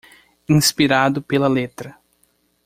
Inspirado pela letra